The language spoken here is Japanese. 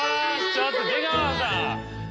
ちょっと出川さん！